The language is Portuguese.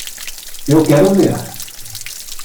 Eu quero ver